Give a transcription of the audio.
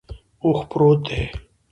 اوښ پروت دے